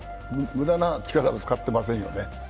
無駄な力は使ってませんよね。